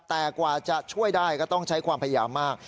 แต่กว่าจะช่วยได้ก็ต้องใช้ความพยายามมาก